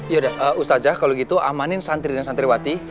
yaudah ustazah kalau gitu amanin santri dan santriwati